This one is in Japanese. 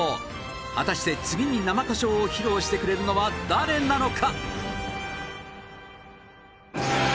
果たして次に生歌唱を披露してくれるのは誰なのか？